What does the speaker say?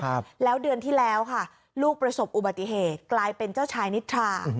ครับแล้วเดือนที่แล้วค่ะลูกประสบอุบัติเหตุกลายเป็นเจ้าชายนิทรา